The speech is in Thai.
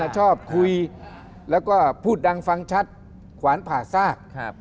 ชอบคุยแล้วก็พูดดังฟังชัดขวานผ่าซาก